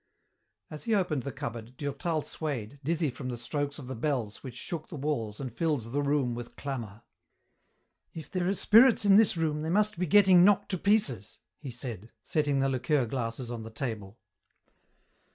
As he opened the cupboard, Durtal swayed, dizzy from the strokes of the bells which shook the walls and filled the room with clamour. "If there are spirits in this room, they must be getting knocked to pieces," he said, setting the liqueur glasses on the table.